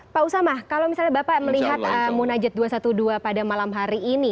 pak usama kalau misalnya bapak melihat munajat dua ratus dua belas pada malam hari ini